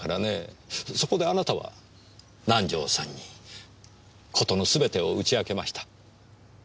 そこであなたは南条さんに事のすべてを打ち明けました。